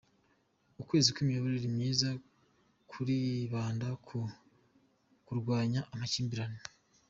Ukwezi kw’imiyoborere myiza kuribanda ku kurwanya amakimbirane